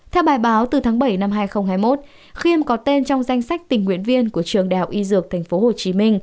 theo bài báo từ tháng bảy năm hai nghìn hai mươi một khiêm có tên trong danh sách tình nguyện viên của trường đại học y dược tp hcm